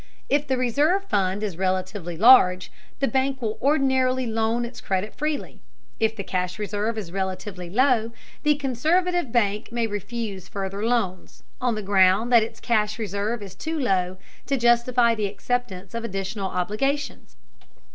If the reserve fund is relatively large, the bank will ordinarily loan its credit freely. If the cash reserve is relatively low, the conservative bank may refuse further loans, on the grounds that its cash reserve is too low to justify the acceptance of additional obligations.